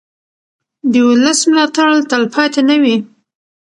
د ولس ملاتړ تلپاتې نه وي